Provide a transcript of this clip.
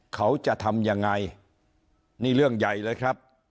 เขาจะทำยังไงนี่เรื่องใหญ่เลยครับ